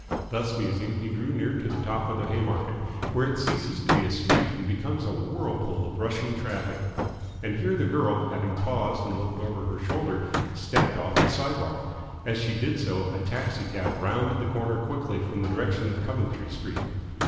Thus musing, he drew near to the top of the Haymarket, where it ceases to be a street and becomes a whirlpool of rushing traffic. And here the girl, having paused and looked over her shoulder, stepped off the sidewalk. As she did so a taxi cab rounded the corner quickly from the direction of Coventry Street.